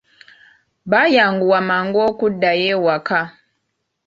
Baayanguwa mangu okuddayo ewaka.